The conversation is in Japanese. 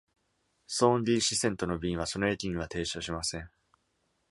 Thornlie 支線との便は、その駅には停車しません。